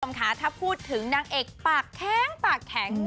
ค่ะถ้าพูดถึงนางเอกปากแข็งปากแข็ง